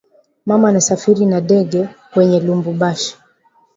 Mama anasafiri na dege kwenda lubumbashi